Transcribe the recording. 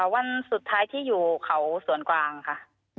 วันสุดท้ายที่อยู่เขาสวนกวางค่ะ